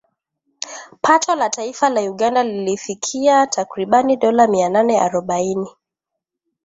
Pato la taifa la Uganda lilifikia takriban dola mia nane arubaini